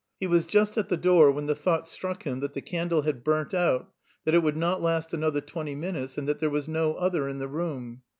He was just at the door when the thought struck him that the candle had burnt out, that it would not last another twenty minutes, and that there was no other in the room.